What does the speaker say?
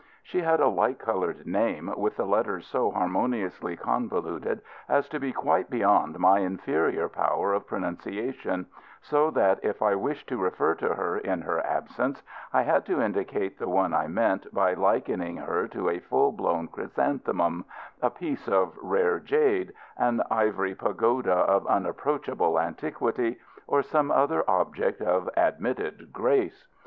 She had a light coloured name with the letters so harmoniously convoluted as to be quite beyond my inferior power of pronunciation, so that if I wished to refer to her in her absence I had to indicate the one I meant by likening her to a full blown chrysanthemum, a piece of rare jade, an ivory pagoda of unapproachable antiquity, or some other object of admitted grace.